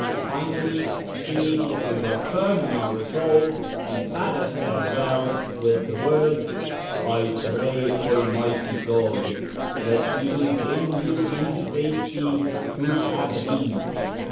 Finally, seeing that we were firm in our resolve, he bade us farewell with the words, " I pray Almighty God that He will bring you in safety to Tabriz."